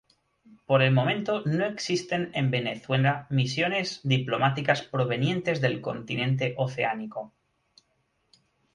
Por el momento no existen en Venezuela misiones diplomáticas provenientes del continente oceánico.